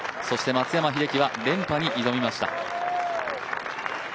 そして松山英樹は連覇に挑みました。